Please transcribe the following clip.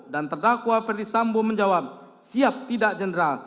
dan terdakwa ferdisambo menjawab siap tidak jenderal